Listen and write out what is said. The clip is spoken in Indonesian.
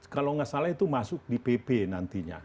kalau nggak salah itu masuk di pp nantinya